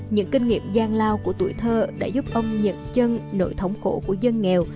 những kinh nghiệm gian lao của tuổi thơ đã giúp ông nhận chân nội thống khổ của dân nghèo